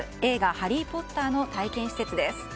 「ハリー・ポッター」の体験施設です。